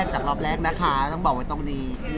จากรอบแรกนะคะต้องบอกไว้ตรงนี้